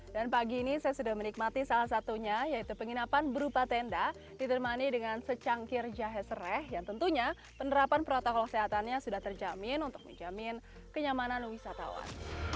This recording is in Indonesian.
dan pagi ini saya sudah menikmati salah satunya yaitu penginapan berupa tenda ditermani dengan secangkir jahe sereh yang tentunya penerapan protokol sehatannya sudah terjamin untuk menjamin kenyamanan wisatawan